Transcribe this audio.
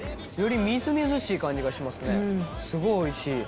すごいおいしい！